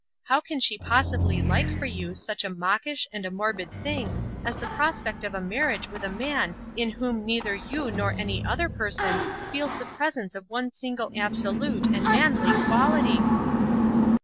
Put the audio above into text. How can she possibly like for you such a mawkish and a morbid thing as the prospect of a marriage with a man in whom neither you nor any other person feels the presence of one single absolute and manly quality?"